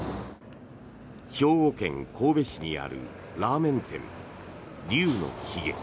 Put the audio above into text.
兵庫県神戸市にあるラーメン店、龍の髭。